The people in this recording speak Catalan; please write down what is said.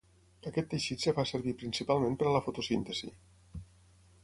Aquest teixit es fa servir principalment per a la fotosíntesi.